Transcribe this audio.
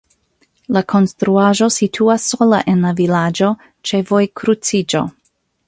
La konstruaĵo situas sola en la vilaĝo ĉe vojkruciĝo.